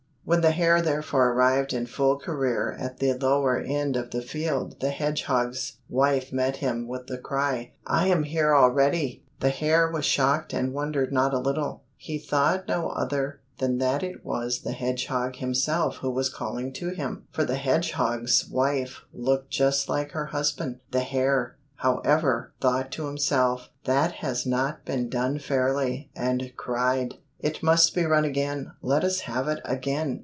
When the hare therefore arrived in full career at the lower end of the field, the hedgehog's wife met him with the cry, "I am here already!" The hare was shocked and wondered not a little, he thought no other than that it was the hedgehog himself who was calling to him, for the hedgehog's wife looked just like her husband. The hare, however, thought to himself, "That has not been done fairly," and cried, "It must be run again, let us have it again."